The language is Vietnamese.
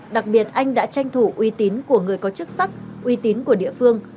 đặc biệt anh đã tranh thủ uy tín của người có chức sắc uy tín của địa phương